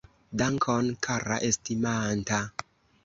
Dankon, kara estimanta